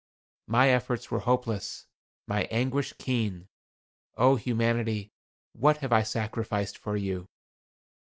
My efforts were hopeless; my anguish keen. O Humanity, what have I sacrificed for you!